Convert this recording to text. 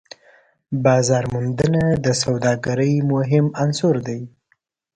بازارموندنه د سوداګرۍ مهم عنصر دی.